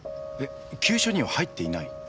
えっ急所には入っていない？